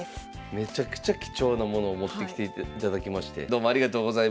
めちゃくちゃ貴重なものを持ってきていただきましてどうもありがとうございました。